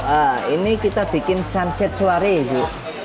atau air mendidih bu